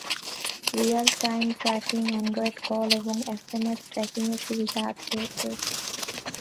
Real time tracking, Android call এবং SMS ট্র্যাকিংয়ের সুবিধা আছে এতে।